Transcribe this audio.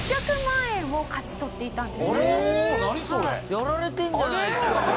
やられてるじゃないですかもう。